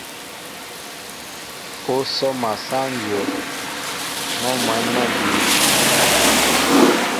Ó sóma sáŋ dyów, mɔ́ mwɛ̌n mɔ́ a bíy.